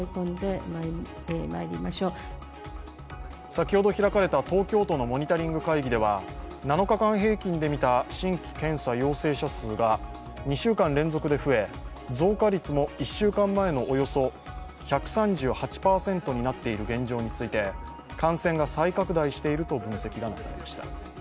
先ほど開かれた東京都のモニタリング会議では７日間平均で見た新規検査陽性者数が２週間連続で増え、増加率も１週間前のおよそ１３８％になっている現状について感染が再拡大していると分析がなされました。